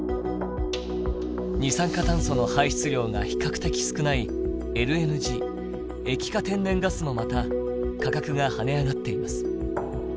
二酸化炭素の排出量が比較的少ないＬＮＧ液化天然ガスもまた価格が跳ね上がっています。